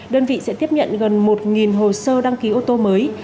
đơn vị sẽ tiếp nhận gần một hồ sơ đăng ký ô tô mới